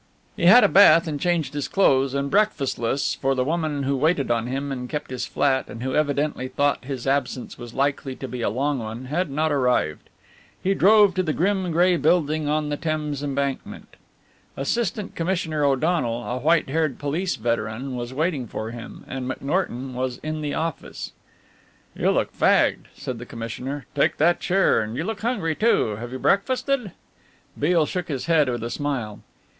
He had a bath and changed his clothes, and breakfastless, for the woman who waited on him and kept his flat and who evidently thought his absence was likely to be a long one, had not arrived. He drove to the grim grey building on the Thames Embankment. Assistant Commissioner O'Donnel, a white haired police veteran, was waiting for him, and McNorton was in the office. "You look fagged," said the commissioner, "take that chair and you look hungry, too. Have you breakfasted?" Beale shook his head with a smile.